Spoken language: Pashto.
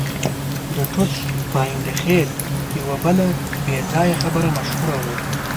د ټوټ پاینده خېل یوه بله بې ځایه خبره مشهوره وه.